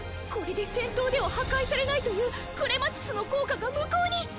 これで戦闘では破壊されないというクレマチスの効果が無効に！